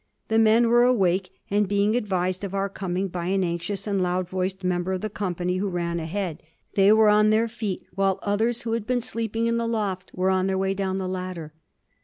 The men were awake, and being advised of our coming by an anxious and loud voiced member of the company who ran ahead, they were on their feet, while others, who had been sleeping in the loft, were on their way down the ladder.